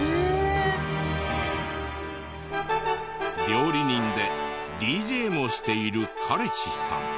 料理人でＤＪもしている彼氏さん。